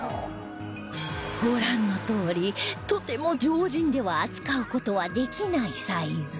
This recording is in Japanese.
ご覧のとおりとても常人では扱う事はできないサイズ